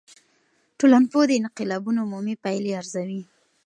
ټولنپوه د انقلابونو عمومي پایلي ارزوي.